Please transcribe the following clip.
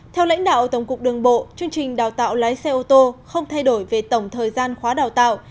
theo lãnh đạo tổng cục đường bộ chương trình đào tạo lái xe ô tô không thay đổi về tổng thời gian khóa đào tạo